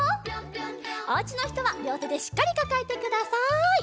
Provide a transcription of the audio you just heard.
おうちのひとはりょうてでしっかりかかえてください。